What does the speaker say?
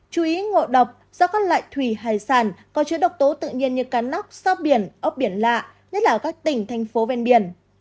chú ý ngồi độc do các loại thủy hải sản có chữ độc tố tự nhiên như cá nóc sao biển ốc biển lạ nhất là các tỉnh thành phố ven biển